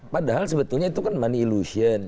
padahal sebetulnya itu kan money illusion